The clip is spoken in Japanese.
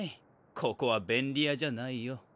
ここは便利屋じゃないよ。